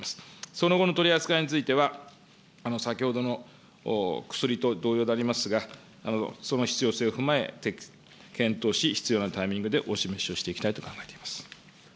その後の取り扱いについては、先ほどの薬と同様でありますが、その必要性を踏まえ、検討し、必要なタイミングでお示しをしていきたいと考えています。